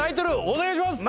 お願いします